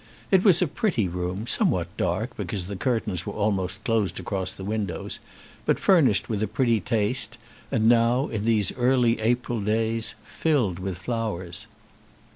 It was a pretty room, somewhat dark, because the curtains were almost closed across the windows, but furnished with a pretty taste, and now, in these early April days, filled with flowers.